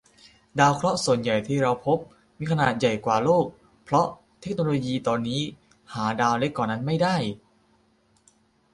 ดาวเคราะห์ส่วนใหญ่ที่เราพบ มีขนาดใหญ่กว่าโลก เพราะเทคโนโลยีตอนนี้หาดาวเล็กกว่านั้นไม่ได้